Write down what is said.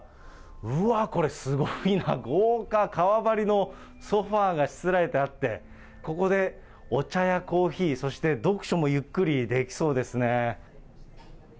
うわー、これすごいな、豪華、革張りのソファーがしつらえてあって、ここでお茶やコーヒー、そして読書もゆっくりできそうですね。